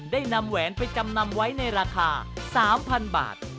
ได้นำแหวนไปจำนำไว้ในราคา๓๐๐๐บาท